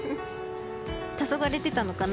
たそがれてたのかな？